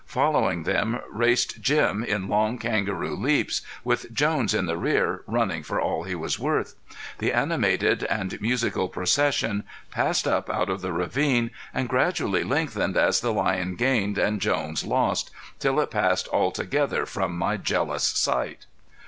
Following them raced Jim in long kangaroo leaps, with Jones in the rear, running for all he was worth. The animated and musical procession passed up out of the ravine and gradually lengthened as the lion gained and Jones lost, till it passed altogether from my jealous sight.